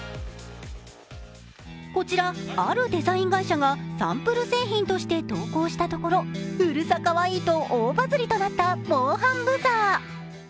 こちら、あるデザイン会社がサンプル製品として投稿したところうるさかわいいと大バズりとなった防犯ブザー。